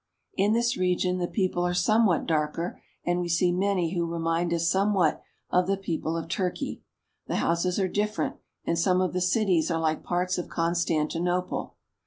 In this region the people are somewhat darker, and we see many who remind us somewhat of the people of Turkey. The houses are different, and some of the cities are like parts of Constantinople.